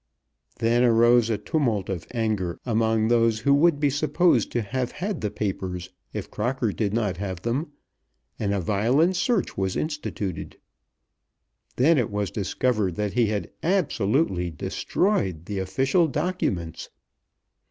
Then arose a tumult of anger among those who would be supposed to have had the papers if Crocker did not have them, and a violent search was instituted. Then it was discovered that he had absolutely destroyed the official documents!